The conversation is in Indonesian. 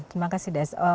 terima kasih des